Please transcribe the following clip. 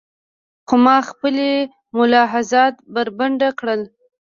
خو ما خپلې ملاحظات بربنډ کړل.